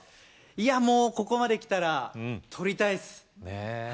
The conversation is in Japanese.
いやもうここまできたら取りたいですねぇ